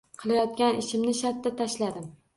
Qilayotgan ishimni shartta tashladim